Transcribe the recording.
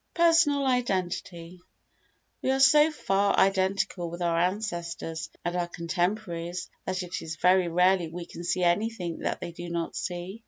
Personal Identity We are so far identical with our ancestors and our contemporaries that it is very rarely we can see anything that they do not see.